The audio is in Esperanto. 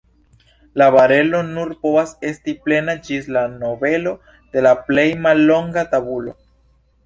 La barelo nur povas esti plena ĝis la novelo de la plej mallonga tabulo.